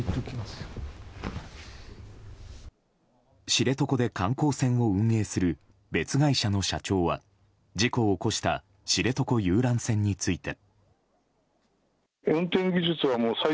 知床で観光船を運営する別会社の社長は事故を起こした知床遊覧船について。